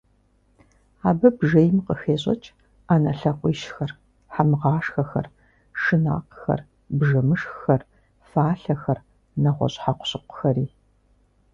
Абы бжейм къыхещӀыкӀ Ӏэнэ лъакъуищхэр, хьэмгъашхэхэр, шынакъхэр, бжэмышххэр, фалъэхэр, нэгъуэщӀ хьэкъущыкъухэри .